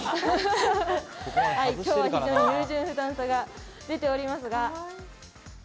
今日は非常に優柔不断さが出ております。